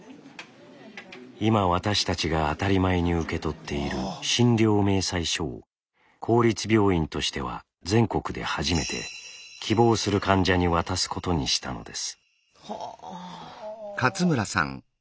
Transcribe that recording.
今私たちが当たり前に受け取っている診療明細書を公立病院としては全国で初めて希望する患者に渡すことにしたのです。